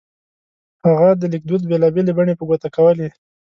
هغه د لیکدود بېلا بېلې بڼې په ګوته کولې.